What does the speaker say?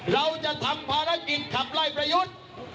เราจะทำภารกิจขับไล่ประยุทธ์